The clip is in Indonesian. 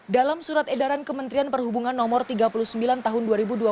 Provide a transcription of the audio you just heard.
dalam surat edaran kementerian perhubungan no tiga puluh sembilan tahun dua ribu dua puluh